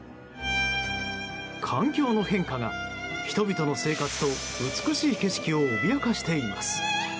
環境の変化が、人々の生活と美しい景色を脅かしています。